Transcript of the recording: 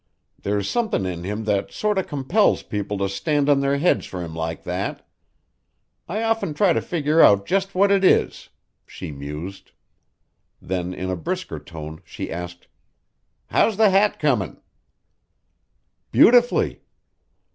There's somethin' in him that sorter compels people to stand on their heads for him like that. I often try to figger out just what it is," she mused. Then in a brisker tone she asked: "How's the hat comin'?" "Beautifully."